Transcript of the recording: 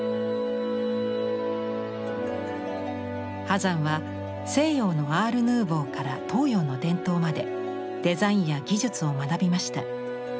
波山は西洋のアール・ヌーヴォーから東洋の伝統までデザインや技術を学びました。